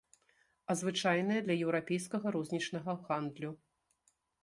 А звычайныя для еўрапейскага рознічнага гандлю.